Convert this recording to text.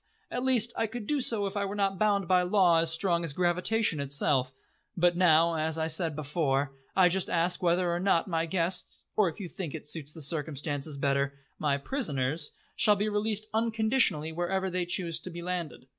At least I could do so if I were not bound by law as strong as gravitation itself; but now, as I said before, I just ask whether or not my guests or, if you think it suits the circumstances better, my prisoners, shall be released unconditionally wherever they choose to be landed."